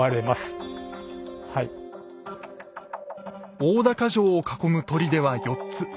大高城を囲む砦は４つ。